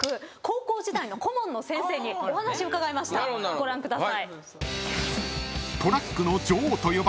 ご覧ください。